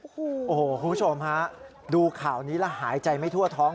โอ้โหคุณผู้ชมฮะดูข่าวนี้แล้วหายใจไม่ทั่วท้อง